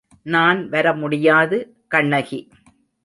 நான் வர முடியாது, கண்ணகி.